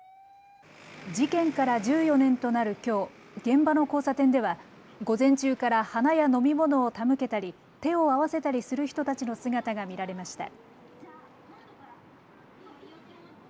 事件から１４年となるきょう、現場の交差点では午前中から花や飲み物を手向けたり手を合わせたりする人たちの姿が見られました。